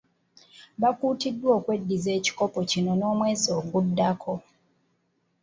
Baakutiddwa okweddiza ekikopo kino n’omwezi oguddako.